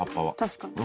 確かに。